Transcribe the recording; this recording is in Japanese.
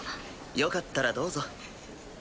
よかったらどうぞ。